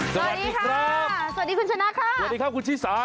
สวัสดีครับสวัสดีคุณชนะค่ะสวัสดีครับคุณชิสา